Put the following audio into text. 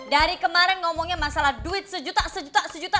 dari kemaren ngomongnya masalah duit sejuta sejuta sejuta